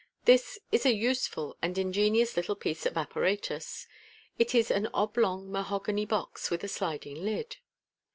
This IS a USeful and ingenious little piece of apparatus. It is an oblong mahogany box, with a sliding lid.